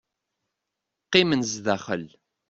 Qqimen sdaxel.